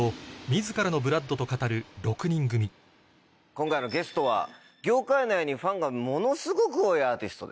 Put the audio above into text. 今回のゲストは業界内にファンがものすごく多いアーティストです。